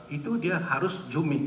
itu dia harus zooming